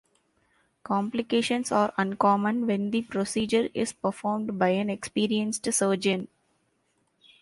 Complications are uncommon when the procedure is performed by an experienced surgeon.